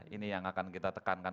ini yang akan kita tekankan